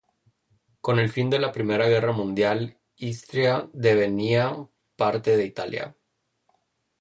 Con el fin de la Primera Guerra Mundial Istria devenía parte de Italia.